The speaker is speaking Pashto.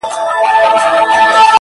• د چا او چا ژوند كي خوښي راوړي.